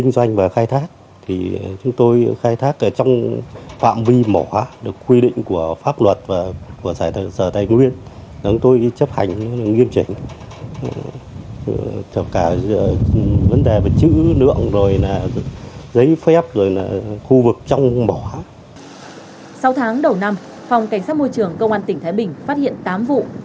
sau tháng đầu năm phòng cảnh sát môi trường công an tỉnh thái bình phát hiện tám vụ